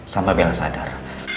sampai bella sadar